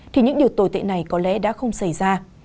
thì những điều tồi tệ này có lẽ đã không xảy ra